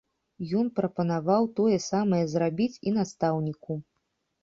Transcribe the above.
Ён прапанаваў тое самае зрабіць і настаўніку.